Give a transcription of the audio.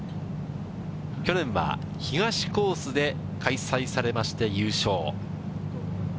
去年は東コースで開催されまして優勝。